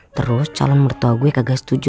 terus calon mertua gue kagak setuju